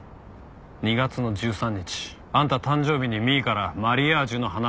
２月の１３日あんた誕生日に美依からマリアージュの花束をもらった。